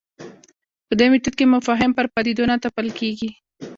په دې میتود کې مفاهیم پر پدیدو نه تپل کېږي.